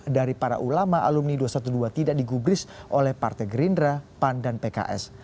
dari para ulama alumni dua ratus dua belas tidak digubris oleh partai gerindra pan dan pks